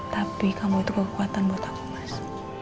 tapi kamu itu kekuatan buat aku mas